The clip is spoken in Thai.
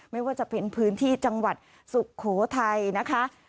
ไม่ว่าจะเป็นพื้นที่จังหวัดสุโขทัยนะคะ